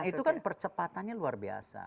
nah itu kan percepatannya luar biasa